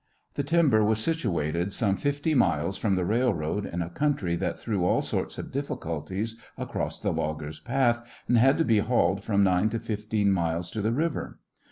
The timber was situated some fifty miles from the railroad in a country that threw all sorts of difficulties across the logger's path, and had to be hauled from nine to fifteen miles to the river.